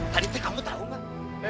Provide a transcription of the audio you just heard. tadi teh kamu tau gak